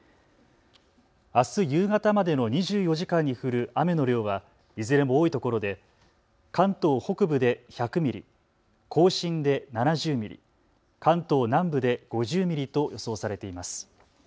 あす夕方までの２４時間に降る雨の量はいずれも多いところで関東北部で１００ミリ、甲信で７０ミリ、関東南部で５０ミリと予想されています。